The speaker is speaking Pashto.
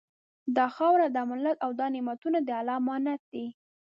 دا خاوره، دا ملت او دا نعمتونه د الله امانت دي